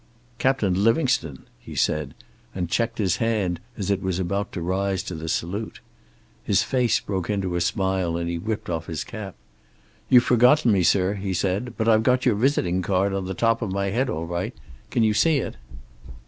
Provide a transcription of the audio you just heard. "Captain Livingstone!" he said, and checked his hand as it was about to rise to the salute. His face broke into a smile, and he whipped off his cap. "You've forgotten me, sir," he said. "But I've got your visiting card on the top of my head all right. Can you see it?"